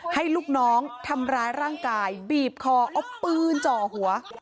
ลูกน้องทำร้ายร่างกายบีบคอเอาปืนจ่อหัว